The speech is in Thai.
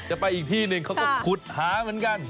ไปอีกที่หนึ่งเขาก็ขุดหาเหมือนกัน